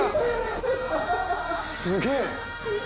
すげえ。